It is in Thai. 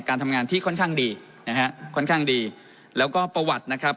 การทำงานที่ค่อนข้างดีนะฮะค่อนข้างดีแล้วก็ประวัตินะครับ